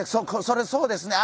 それそうですね。